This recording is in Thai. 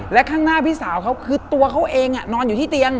และข้างหน้าพี่สาวเขาคือตัวเขาเองนอนอยู่ที่เตียง